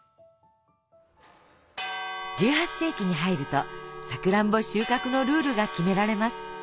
１８世紀に入るとさくらんぼ収穫のルールが決められます。